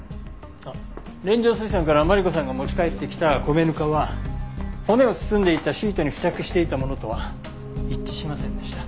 あっ連城水産からマリコさんが持ち帰ってきた米ぬかは骨を包んでいたシートに付着していたものとは一致しませんでした。